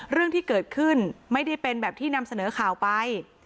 เรื่องที่เกิดขึ้นไม่ได้เป็นแบบที่นำเสนอข่าวไป